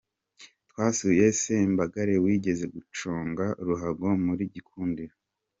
Twasuye Sembagare wigeze guconga ruhago muri Gikundiro